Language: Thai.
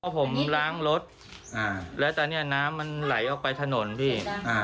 ผมล้างรถแล้วตอนนี้น้ำมันไหลออกไปถนนพี่